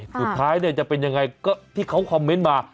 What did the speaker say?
สุดท้ายจะเป็นยังไงก็ที่เขาคอมเมนต์มา